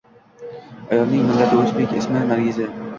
Ayolning millati o`zbek, ismi Nargiza